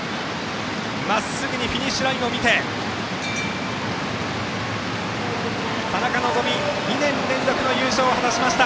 まっすぐにフィニッシュラインを見て田中希実、２年連続の優勝を果たしました。